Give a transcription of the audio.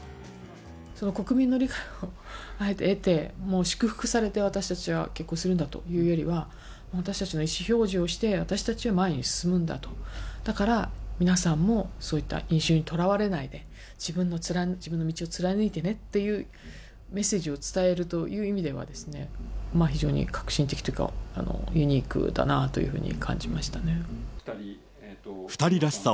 その国民の理解をあえてえて、祝福されて私たちは結婚するんだというよりは、私たちの意思表示をして、私たちは前に進むんだと、だから、皆さんもそういった因習にとらわれないで、自分の道を貫いてねっていうメッセージを伝えるという意味では、非常に革新的というか、ユニークだなというふうに感じましたね。